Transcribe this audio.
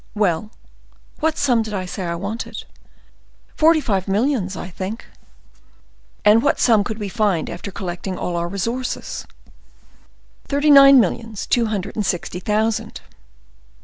"Well, what sum did I say I wanted?" "Forty five millions, I think." "And what sum could we find, after collecting all our resources?" "Thirty nine millions two hundred and sixty thousand."